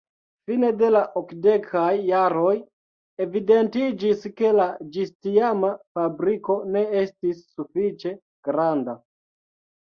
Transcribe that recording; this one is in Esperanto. Fine de la okdekaj jaroj, evidentiĝis ke la ĝistiama fabriko ne estis sufiĉe granda.